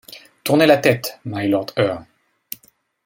Tournez la tête, mylord Eure.